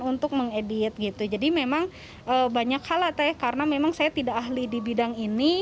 untuk mengedit gitu jadi memang banyak hal lah teh karena memang saya tidak ahli di bidang ini